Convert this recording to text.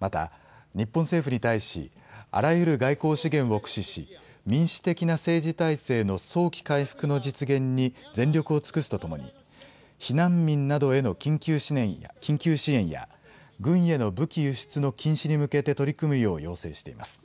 また、日本政府に対しあらゆる外交資源を駆使し、民主的な政治体制の早期回復の実現に全力を尽くすとともに避難民などへの緊急支援や軍への武器輸出の禁止に向けて取り組むよう要請しています。